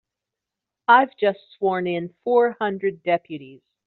I've just sworn in four hundred deputies.